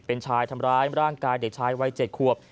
เป็นชายทำร้ายร่างกายเด็กชายวัย๗ขวบ